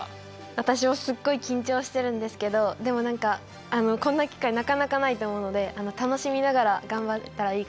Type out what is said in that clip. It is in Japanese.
私もすっごい緊張してるんですけどでも何かこんな機会なかなかないと思うので楽しみながら頑張れたらいいかなって思っています。